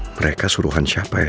mereka suruhan siapa ya